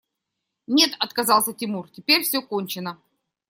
– Нет, – отказался Тимур, – теперь все кончено.